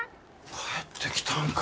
帰ってきたんか。